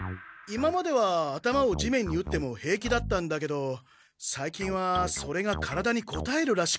今までは頭を地面に打っても平気だったんだけどさいきんはそれが体にこたえるらしく。